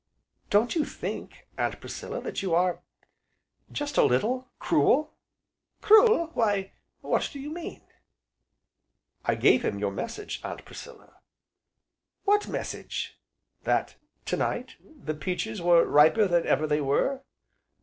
"Don't you think, Aunt Priscilla, that you are just a little cruel?" "Cruel why what do you mean?" "I gave him your message, Aunt Priscilla." "What message?" "That 'to night, the peaches were riper than ever they were.'"